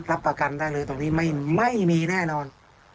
รับประกันได้เลยตรงนี้ไม่มีแน่นอน